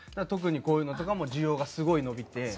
特にこういうのとかも需要がすごい伸びて。